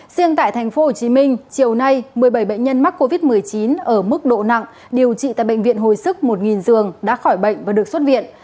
riêng tại tp hcm chiều nay một mươi bảy bệnh nhân mắc covid một mươi chín ở mức độ nặng điều trị tại bệnh viện hồi sức một giường đã khỏi bệnh và được xuất viện